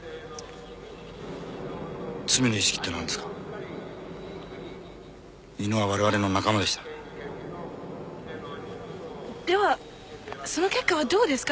「罪の意識」って何ですか犬は我々の仲間でしたではその結果はどうですか？